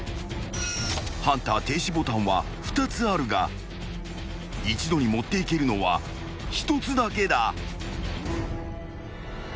［ハンター停止ボタンは２つあるが一度に持っていけるのは一つだけだ］